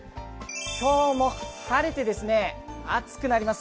今日も晴れて、暑くなります。